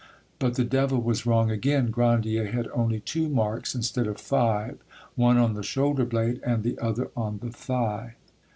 But the devil was wrong again: Grandier had only two marks, instead of five—one on the shoulder blade, and the other on the thigh.